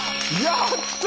やった！